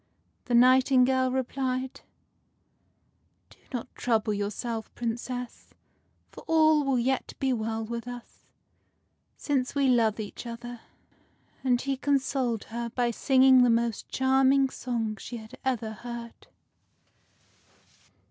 The nightingale replied, —" Do not trouble yourself, Princess ; for all will yet be well with us, since we love each other." And he consoled her by singing the most charming songs she had ever heard.